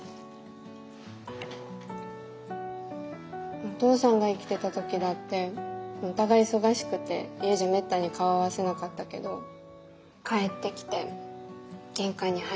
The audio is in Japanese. お父さんが生きてた時だってお互い忙しくて家じゃめったに顔合わせなかったけど帰ってきて玄関に入るとね